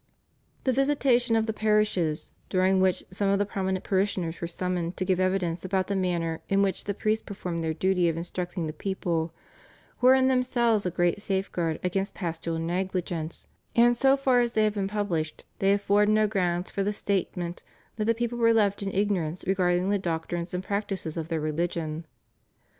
The visitations of the parishes, during which some of the prominent parishioners were summoned to give evidence about the manner in which the priests performed their duty of instructing the people, were in themselves a great safeguard against pastoral negligence, and so far as they have been published they afford no grounds for the statement that the people were left in ignorance regarding the doctrines and practices of their religion.